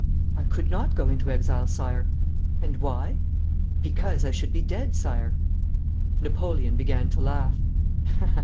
'I could not go into exile, Sire.' 'And why?' 'Because I should be dead, Sire.' Napoleon began to laugh.